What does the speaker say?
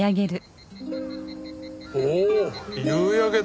おお夕焼けだ。